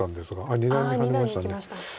二段にハネました。